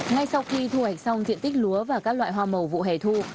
ngay sau khi thu hạch xong tiện tích lúa và các loại hoa màu vụ hẻ thu